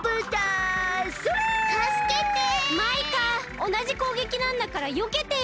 おなじこうげきなんだからよけてよ！